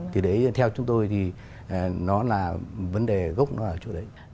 thì đấy theo chúng tôi thì nó là vấn đề gốc nó ở chỗ đấy